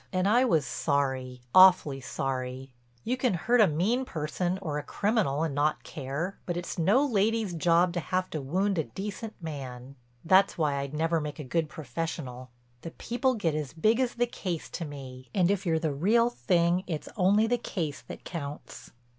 And I was sorry, awfully sorry. You can hurt a mean person or a criminal and not care, but it's no lady's job to have to wound a decent man. That's why I'd never make a good professional—the people get as big as the case to me, and if you're the real thing it's only the case that counts.